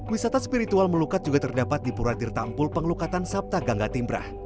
wisata spiritual melukat juga terdapat di purwadirtampul penglukatan sabta gangga timbrah